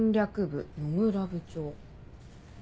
部野村部長。